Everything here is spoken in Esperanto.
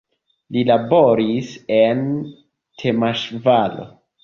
Li laboris en Temeŝvaro.